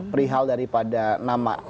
perihal daripada nama